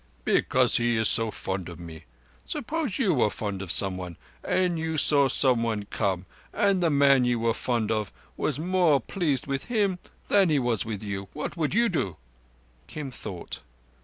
"Because he is so fond of me. Suppose you were fond of someone, and you saw someone come, and the man you were fond of was more pleased with him than he was with you, what would you do?" Kim thought.